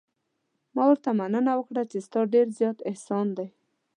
ما ورته مننه وکړه چې ستا ډېر زیات احسان دی.